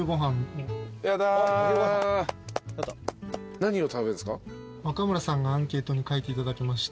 何を食べるんですか？